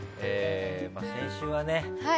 先週はね